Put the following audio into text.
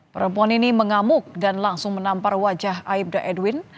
perempuan ini mengamuk dan langsung menampar wajah aibda edwin